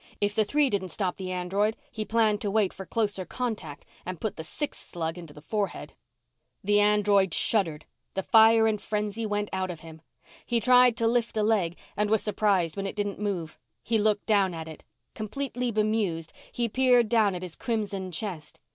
If the three didn't spot the android, he planned to wait for closer contact and put the sixth slug into the forehead. The android shuddered. The fire and frenzy went out of him. He tried to lift a leg and was surprised when it didn't move. He looked down at it. Completely bemused, he peered down at his crimson chest.